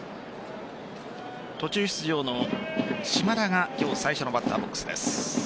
途中出場の島田が今日最初のバッターボックスです。